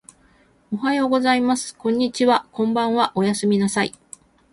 おはようございます。こんにちは。こんばんは。おやすみなさい。